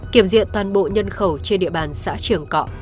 kiểm diện toàn bộ nhân khẩu trên địa bàn xã trường cọ